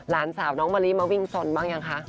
หลานสาวน้องมะลิมาวิ่งสนบ้างยังคะ